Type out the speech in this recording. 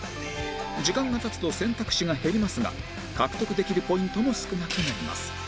時間が経つと選択肢が減りますが獲得できるポイントも少なくなります